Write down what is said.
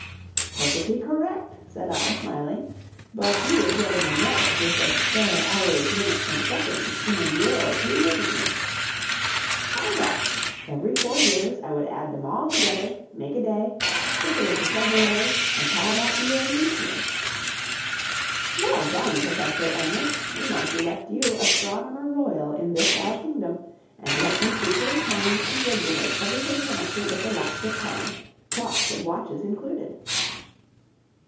"Perfectly correct!" said I, smiling; "but you would get in a mess with those spare hours, minutes, and seconds in a year or two, wouldn't you?" "Not at all! Every four years I would add them all together, make a day, stick it into February, and call that year leap year." "Well done, Professor Ernest! We must elect you astronomer royal in this our kingdom, and let you superintend and regulate everything connected with the lapse of time, clocks and watches included."